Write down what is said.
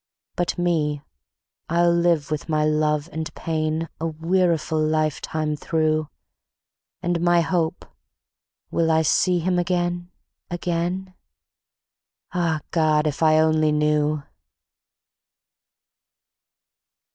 But me, I'll live with my love and pain A weariful lifetime through; And my Hope: will I see him again, again? Ah, God! If I only knew!